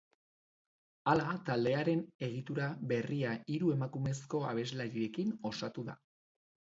Hala, taldearen egitura berria hiru emakumezko abeslarirekin osatu zen.